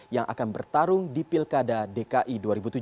yang akan bertarung di pilkada dki dua ribu tujuh belas